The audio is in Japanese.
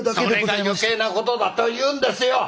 それが余計な事だというんですよ！